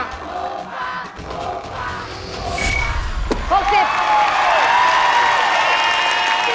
ถูกกว่าถูกกว่าถูกกว่า